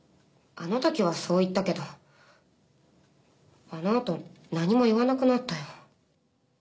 あのときはそう言ったけどあのあと何も言わなくなったよ。